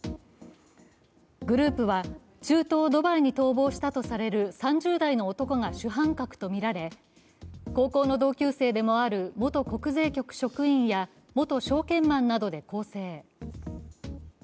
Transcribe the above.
グループは中東ドバイに逃亡したとされる３０代の男が主犯格とみられ高校の同級生でもある元国税局職員や元証券マンなどで構成。